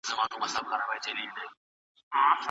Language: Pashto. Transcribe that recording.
دا توازن اړین دی.